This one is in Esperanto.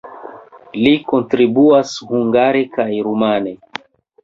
Li kontribuas hungare kaj rumane.